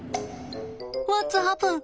ワッツハプン？